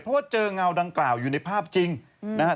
เพราะว่าเจอเงาดังกล่าวอยู่ในภาพจริงนะฮะ